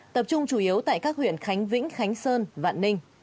tập trung chủ yếu tại các huyện khánh vĩnh khánh sơn vạn ninh